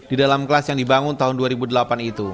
di dalam kelas yang dibangun tahun dua ribu delapan itu